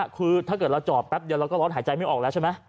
คือถ้าเกิดเราจอดแป๊บเดียวเราก็ร้อนหายใจไม่ออกแล้วใช่ไหม